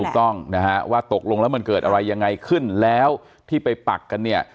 ถูกต้องนะฮะว่าตกลงแล้วมันเกิดอะไรยังไงขึ้นแล้วที่ไปปักกันเนี่ย